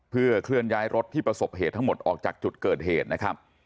เพื่อเคลื่อนย้ายรถที่ประสบเหตุทั้งหมดออกจากจุดเกิดเหตุนะครับ